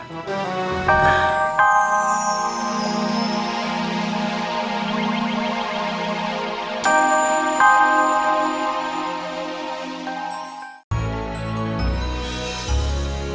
sampai jumpa lagi